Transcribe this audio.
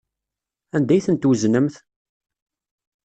Anda ay tent-tweznemt?